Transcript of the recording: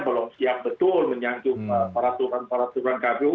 belum siap betul menyangkut peraturan peraturan kpu